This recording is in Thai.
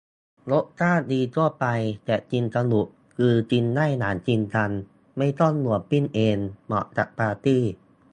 รสชาติดีทั่วไป แต่กินสนุก คือกินได้อย่างจริงจัง ไม่ต้องห่วงปิ้งเอง เหมาะกับปาร์ตี้